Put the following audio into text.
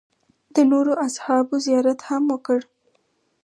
د نورو اصحابو زیارت هم وکړ.